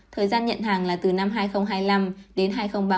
thời gian nhận hàng là từ năm hai nghìn hai mươi năm đến hai nghìn ba mươi